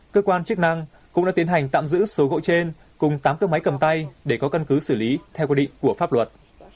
cơ quan chức năng cũng đã tiến hành tạm giữ số gỗ trên cùng tám cơ máy cầm tay để có căn cứ xử lý theo quy định của pháp luật